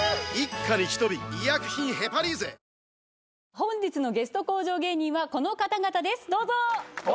本日のゲスト向上芸人はこの方々ですどうぞ。